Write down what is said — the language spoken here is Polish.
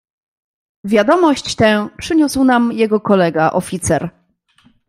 "Wiadomość tę przyniósł nam jego kolega, oficer."